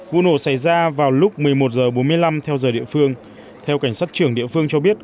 vụ nổ xảy ra vào lúc một mươi một h bốn mươi năm theo giờ địa phương theo cảnh sát trưởng địa phương cho biết